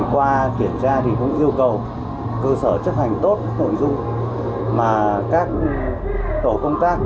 qua kiểm tra thì cũng yêu cầu cơ sở chấp hành tốt nội dung mà các tổ công tác